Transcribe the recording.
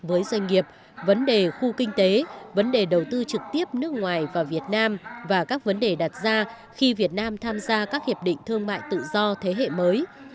với doanh nghiệp vấn đề khu kinh tế vấn đề đầu tư trực tiếp nước ngoài vào việt nam và các vấn đề đặt ra khi việt nam tham gia các hiệp định thương mại tự do thế hệ mới